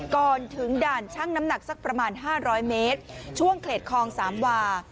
ก่อนถึงด่านช่างน้ำหนักสักประมาณ๕๐๐เมตรช่วงเขตคลองสามวา